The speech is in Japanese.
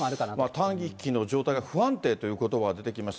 大気の状態が不安定ということばが出てきました。